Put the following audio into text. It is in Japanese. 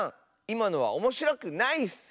いまのはおもしろくないッス。